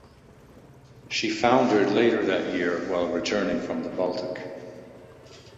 She foundered later that year while returning from the Baltic.